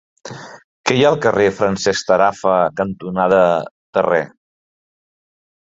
Què hi ha al carrer Francesc Tarafa cantonada Terré?